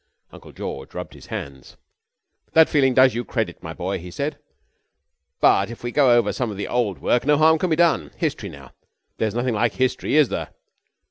Uncle George rubbed his hands. "That feeling does you credit, my boy," he said, "but if we go over some of the old work, no harm can be done. History, now. There's nothing like History, is there?"